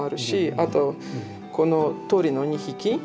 あとこの鳥の２匹。